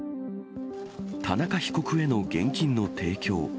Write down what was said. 田中被告への現金の提供。